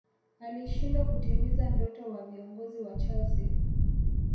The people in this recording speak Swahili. alishindwa kutimiza ndoto wa viongozi wa chelsea